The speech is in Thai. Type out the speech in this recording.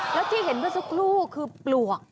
แล้วที่เห็นเมื่อสักครู่คือปลวก